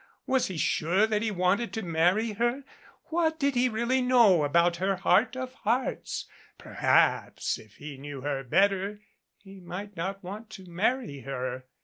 Was he sure that he wanted to marry her ? Wliat did he really know about her heart of hearts ? Perhaps, if he knew her better he might not want to marry her.